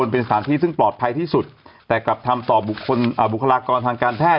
เป็นสถานที่ซึ่งปลอดภัยที่สุดแต่กลับทำต่อบุคคลบุคลากรทางการแพทย